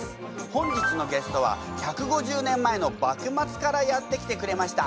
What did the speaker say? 本日のゲストは１５０年前の幕末からやって来てくれました！